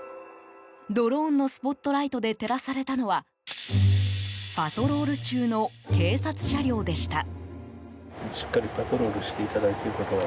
ドローンのスポットライトで照らされたのはパトロール中の警察車両でした。